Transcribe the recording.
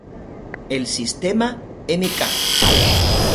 El sistema "Mk.